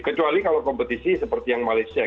kecuali kalau kompetisi seperti yang malaysia